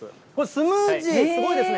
スムージー、すごいですね。